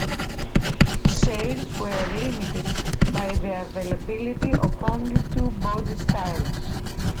Sales were limited by the availability of only two body styles.